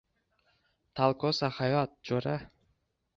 — Tolkosa hayot, jo’ra.